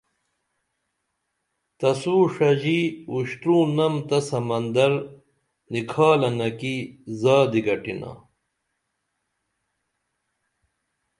تسو ݜژیں اوشترونم تہ سمندر نِکھالنہ کی زادی گٹینا